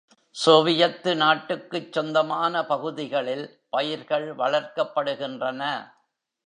Soviet நாட்டுக்குச் சொந்தமான பகுதிகளில் பயிர்கள் வளர்க்கப்படுகின்றன.